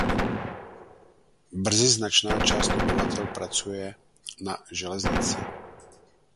Brzy značná část obyvatel pracuje na železnici.